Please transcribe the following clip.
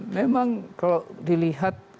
memang kalau dilihat